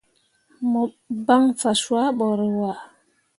Mo ban fa cuah bo rǝwaa.